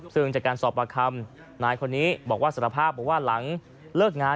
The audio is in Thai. ซึ่งจากการสอบประคำนายคนนี้บอกว่าสารภาพบอกว่าหลังเลิกงาน